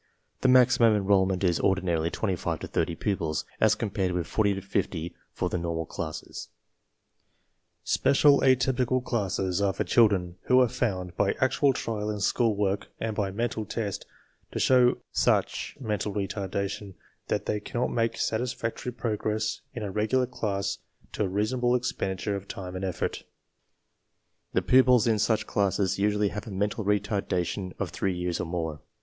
The maximum enrollment is ordinarily 25 to 30 pupils, a,f compared with 40 to 50 for the normal clasisSsT" { SpeciaL^typical Classes are for children who are found, by actual trial in school work and by mental test, to show such mental retardation that they cannot make satisfactory progress in a regular class with a rea sonable expenditure of time and effort. 'The pupils in such classes usually have a mental retardation of three yea, Ts CLASSIFICATION BY MENTAL ABILITY 37 or more.